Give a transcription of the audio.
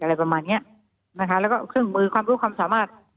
นะครับแล้วก็ซึ่งความรู้สามารถ